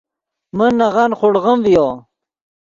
من نغن خوڑغیم ڤیو